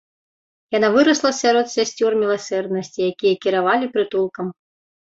Яна вырасла сярод сясцёр міласэрнасці, якія кіравалі прытулкам.